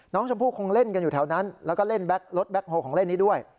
น้องชมพู่คงเล่นกันอยู่แถวนั้นแล้วก็เล่นรถแบ็คโฮลของเล่นนี้ด้วย